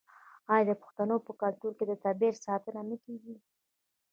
آیا د پښتنو په کلتور کې د طبیعت ساتنه نه کیږي؟